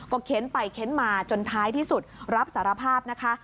ก็เข็นไปเข็นมาจนท้ายที่สุดรับสารภาพ